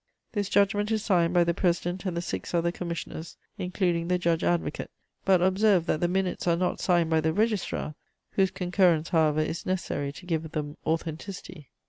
"This judgment is signed by the president and the six other commissioners, including the judge advocate; but observe that the minutes are not signed by the registrar, whose concurrence, however, is necessary to give them authenticity.